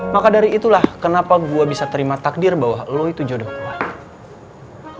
maka dari itulah kenapa gue bisa terima takdir bahwa lo itu jodoh allah